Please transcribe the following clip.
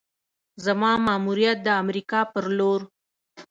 زما ماموریت د امریکا پر لور: